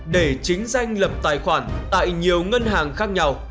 để chính danh lập tài khoản tại nhiều ngân hàng khác nhau